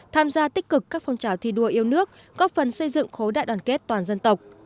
tham gia tích cực các phong trào thi đua yêu nước góp phần xây dựng khối đại đoàn kết toàn dân tộc